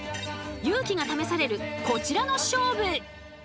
勇気が試されるこちらの勝負！